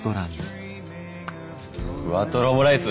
ふわとろオムライス！